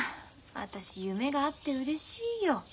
私夢があってうれしいよ。